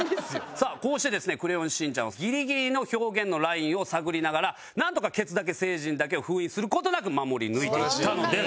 さあこうしてですね『クレヨンしんちゃん』はギリギリの表現のラインを探りながらなんとかケツだけ星人だけを封印する事なく守り抜いてきたのです。